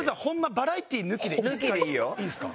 バラエティー抜きで一回いいですか？